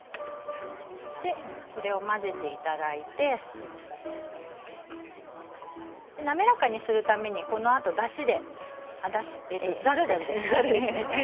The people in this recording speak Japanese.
これを混ぜていただいて滑らかにするために、このあとだしでざるです。